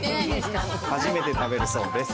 初めて食べるそうです。